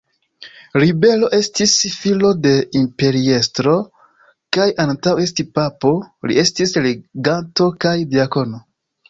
Libero estis filo de imperiestro kaj antaŭ esti papo, li estis leganto kaj diakono.